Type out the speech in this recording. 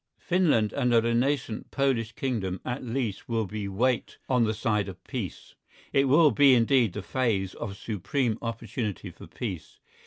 Finland and a renascent Polish kingdom at least will be weight on the side of peace. It will be indeed the phase of supreme opportunity for peace.